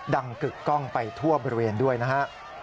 กึกกล้องไปทั่วบริเวณด้วยนะฮะ